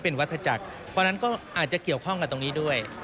เพราะฉะนั้นก็อาจจะเกี่ยวข้องกับตรงนี้ด้วย